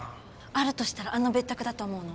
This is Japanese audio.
あるとしたらあの別宅だと思うの。